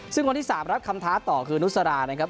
ซึ่งคนที่๓รับคำท้าต่อคือนุสรานะครับ